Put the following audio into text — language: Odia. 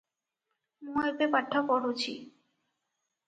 ମୁଁ ଏବେ ପାଠ ପଢୁଛି।